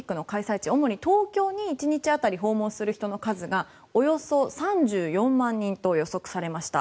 地主に東京に１日当たり訪問する人の数がおよそ３４万人と予測されました。